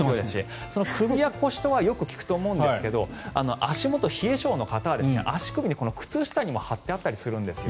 首や腰はよく聞くと思うんですが足元、冷え性の方は足首に靴下にも貼ってあったりするんですよ。